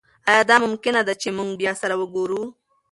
ایا دا ممکنه ده چې موږ بیا سره وګورو؟